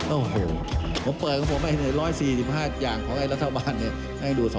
โอ้โหผมเปิดของผม๑๔๕อย่างของไอ้รัฐบาลเนี่ยให้ดู๒๐๐๐๐อ่ะ